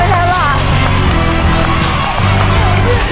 มีทั้งหมด๔จานแล้วนะฮะ